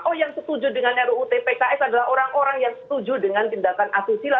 oh yang setuju dengan ruu tpks adalah orang orang yang setuju dengan tindakan asusila